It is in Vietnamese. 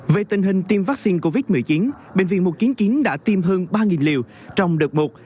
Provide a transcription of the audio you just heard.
về tình hình tiêm vaccine covid một mươi chín bệnh viện mục kiến kiến đã tiêm hơn ba liều trong đợt một